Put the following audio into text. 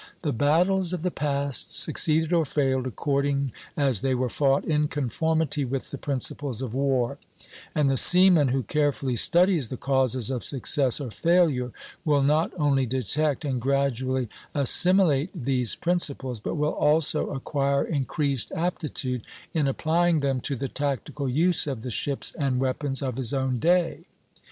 The battles of the past succeeded or failed according as they were fought in conformity with the principles of war; and the seaman who carefully studies the causes of success or failure will not only detect and gradually assimilate these principles, but will also acquire increased aptitude in applying them to the tactical use of the ships and weapons of his own day.